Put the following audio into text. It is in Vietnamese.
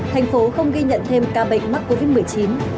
thành phố không ghi nhận thêm ca bệnh mắc covid một mươi chín